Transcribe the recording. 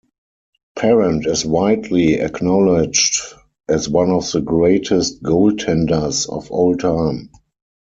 Parent is widely acknowledged as one of the greatest goaltenders of all time.